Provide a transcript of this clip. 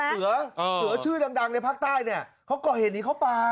หรือเสือเสือชื่อดังดังในภาคใต้เนี้ยเขาก็เห็นหนีเข้าปาก